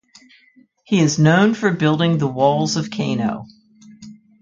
He is known for building the walls of Kano.